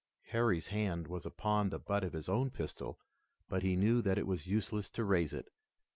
Harry's hand was upon the butt of his own pistol, but he knew that it was useless to raise it.